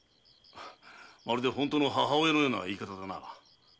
まるで本当の母親のような言い方だな。